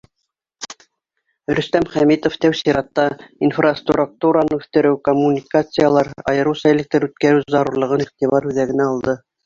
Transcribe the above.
Рөстәм Хәмитов тәү сиратта инфраструктураны үҫтереү, коммуникациялар, айырыуса электр үткәреү зарурлығын иғтибар үҙәгенә алды.